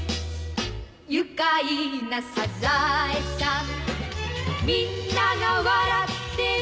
「愉快なサザエさん」「みんなが笑ってる」